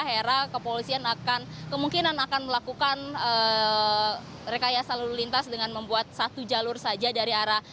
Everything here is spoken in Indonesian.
hera kepolisian akan kemungkinan akan melakukan rekayasa lalu lintas dengan membuat satu jalur saja dari arah